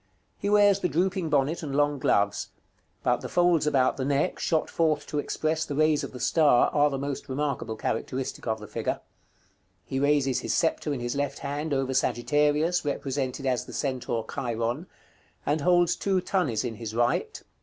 He wears the drooping bonnet and long gloves; but the folds about the neck, shot forth to express the rays of the star, are the most remarkable characteristic of the figure. He raises his sceptre in his left hand over Sagittarius, represented as the centaur Chiron; and holds two thunnies in his right.